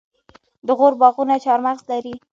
د غور باغونه چهارمغز لري.